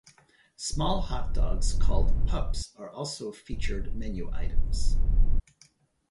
Small hot dogs called "pups" are also featured menu items.